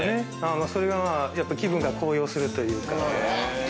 それが気分が高揚するというか。